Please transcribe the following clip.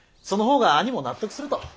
その方が兄も納得すると。